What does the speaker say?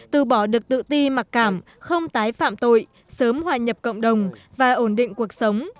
từ bỏ được tự ti mặc cảm không tái phạm tội sớm hòa nhập cộng đồng và ổn định cuộc sống